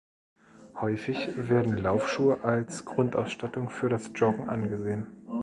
Häufig werden Laufschuhe als Grundausstattung für das Joggen angesehen.